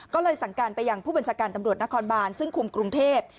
ก็เลยสั่งการไปยังผู้บัญชาการตำรวจนครบานซึ่งคุมกรุงเทพ